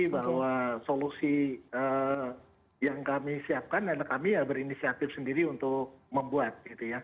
bahwa solusi yang kami siapkan adalah kami ya berinisiatif sendiri untuk membuat